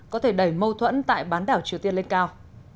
có thể đẩy mâu thuẫn tại bán đảo triều tiên lên cao